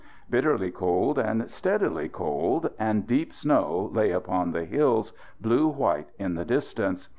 Bitterly cold and steadily cold, and deep snow lay upon the hills, blue white in the distance.